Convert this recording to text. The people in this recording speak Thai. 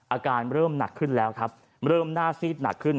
อาการเริ่มหนักขึ้นแล้วครับเริ่มหน้าซีดหนักขึ้น